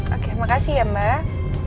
oke makasih ya mbak